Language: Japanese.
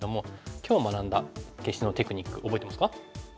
今日学んだ消しのテクニック覚えてますか？